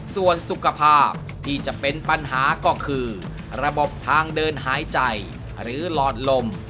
ส่วนสุขภาพที่จะเป็นปัญหาก็คือระบบทางเดินหายใจหรือหลอดลม